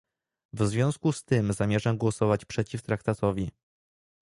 W związku z tym zamierzam głosować przeciw Traktatowi